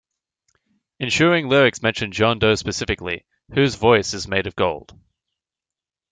Ensuing lyrics mention John Doe specifically, "whose voice is made of gold".